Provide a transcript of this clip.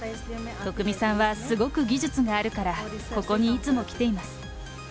徳見さんはすごく技術があるから、ここにいつも来ています。